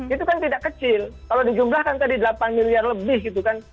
itu kan tidak kecil kalau di jumlahkan tadi delapan miliar lebih gitu kan